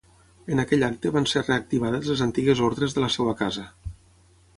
En aquell acte van ser reactivades les antigues Ordres de la seva Casa.